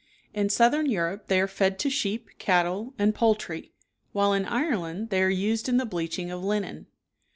In Southern Europe they are fed to sheep, cattle, and poultry; while in Ireland they are used in the bleaching of linen.